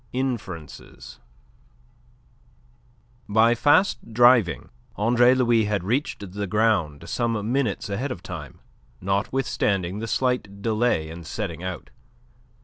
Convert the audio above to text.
INFERENCES By fast driving Andre Louis had reached the ground some minutes ahead of time, notwithstanding the slight delay in setting out.